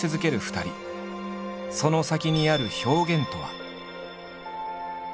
その先にある表現とは。